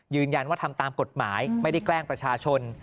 ยืนยันว่าทำตามกฎหมายไม่ได้แกล้งประชาชน